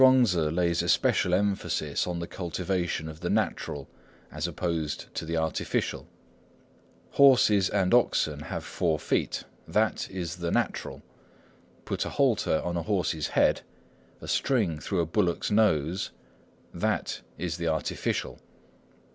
Chuang Tzŭ lays especial emphasis on the cultivation of the natural as opposed to the artificial. "Horses and oxen have four feet; that is the natural. Put a halter on a horse's head, a string through a bullock's nose; that is the artificial."